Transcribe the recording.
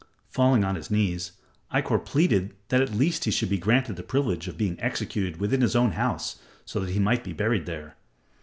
Falling on his knees, Ikkor pleaded that at least he should be granted the privilege of being executed within his own house so that he might be buried there.